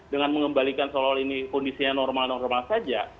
dengan mengembalikan kondisinya normal normal saja